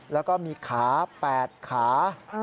แล้วก็มีขา๘ขา